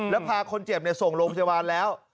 แล้วพาคนเจ็บส่งโรงพยาบาลแล้ว